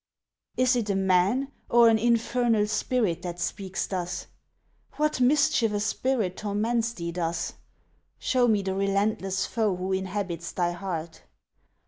Is it a man or an infernal spirit that speaks thus ? What mischievous spirit torments thee thus ? Show me the relentless foe who inhabits thy heart.